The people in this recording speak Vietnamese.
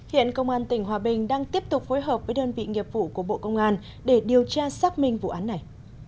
hiện công an tỉnh hòa bình đang tiếp tục phối hợp với đơn vị nghiệp vụ của bộ công an để điều tra xác minh vụ án này